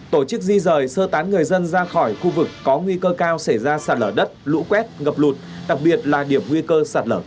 tổ chức di rời sơ tán người dân ra khỏi khu vực có nguy cơ cao xảy ra sạt lở đất lũ quét ngập lụt đặc biệt là điểm nguy cơ sạt lở